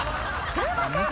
風磨さん